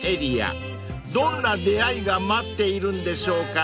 ［どんな出会いが待っているんでしょうかね］